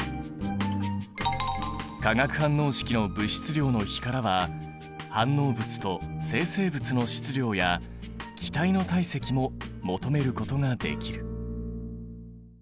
化学反応式の物質量の比からは反応物と生成物の質量や気体の体積も求めることができる。